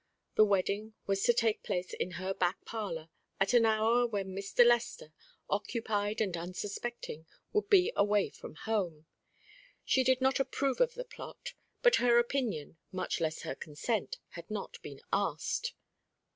The wedding was to take place in her back parlour at an hour when Mr. Lester, occupied and unsuspecting, would be away from home. She did not approve of the plot; but her opinion, much less her consent, had not been asked.